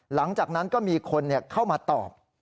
หลังจากนั้นก็มีคนเข้ามาตอบ